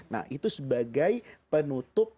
nah itu sebagai penutup